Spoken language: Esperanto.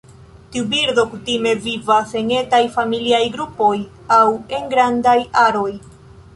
Tiu birdo kutime vivas en etaj familiaj grupoj aŭ en grandaj aroj.